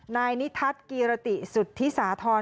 นายนิทัศน์กีรติสุธิสาธรณ์